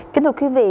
kính thưa quý vị